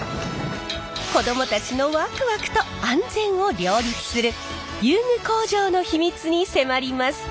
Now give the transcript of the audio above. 子どもたちのワクワクと安全を両立する遊具工場の秘密に迫ります！